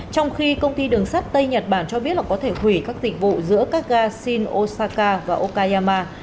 trong khi công ty đường sắt tây nhật bản cho biết là có thể hủy các dịch vụ giữa các ga shin osaka và okayama